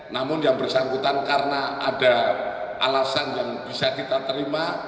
namun yang bersangkutan karena ada alasan yang bisa kita terima